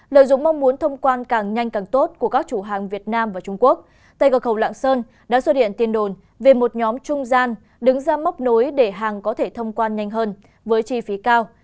lợi dụng mong muốn thông quan càng nhanh càng tốt của các chủ hàng việt nam và trung quốc tây cờ khẩu lạng sơn đã xuất hiện tin đồn về một nhóm trung gian đứng ra móc nối để hàng có thể thông quan nhanh hơn với chi phí cao